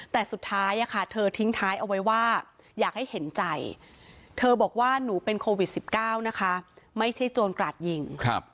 แต่สุดท้ายเธอทิ้งท้ายเอาไว้ว่าอยากให้เห็นใจเธอบอกว่าหนูเป็นโควิด๑๙นะคะไม่ใช่โจรกราดยิง